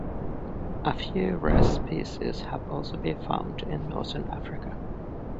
A few rare species have also been found in northern Africa.